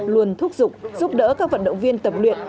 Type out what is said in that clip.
luôn thúc giục giúp đỡ các vận động viên tập luyện